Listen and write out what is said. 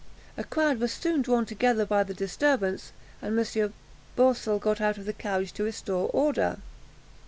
A crowd was soon drawn together by the disturbance, and M. Boursel got out of the carriage to restore order.